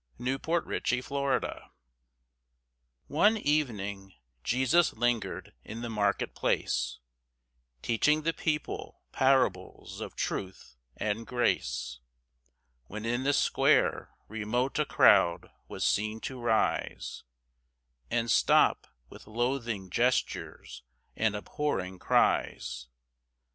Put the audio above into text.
ANDERSON. CHARITY'S EYE One evening Jesus lingered in the marketplace, Teaching the people parables of truth and grace, When in the square remote a crowd was seen to rise, And stop with loathing gestures and abhorring cries.